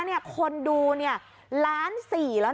น้องเฮ้ยน้องเฮ้ย